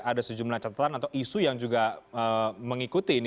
ada sejumlah catatan atau isu yang juga mengikuti ini